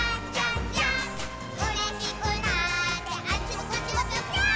「うれしくなってあっちもこっちもぴょぴょーん」